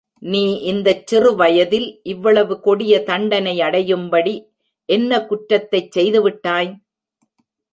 நீ இந்தச் சிறுவயதில் இவ்வளவு கொடிய தண்டனையடையும்படி என்ன குற்றத்தைச் செய்துவிட்டாய்?